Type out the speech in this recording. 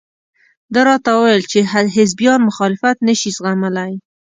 ده راته وویل چې حزبیان مخالفت نشي زغملى.